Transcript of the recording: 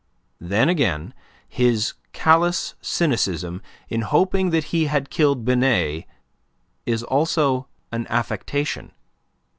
Then, again, his callous cynicism in hoping that he had killed Binet is also an affectation.